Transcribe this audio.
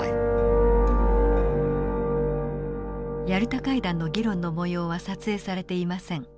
ヤルタ会談の議論のもようは撮影されていません。